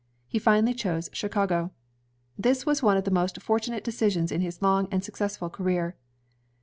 He finally chose Chicago. This was one of the most for tunate decisions in his long and successful career.